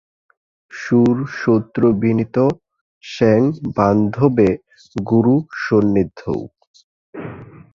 শূর শত্রৌ বিনীত স্যাৎ বান্ধবে গুরুসন্নিধৌ।